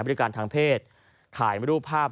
บริการทางเพศขายรูปภาพ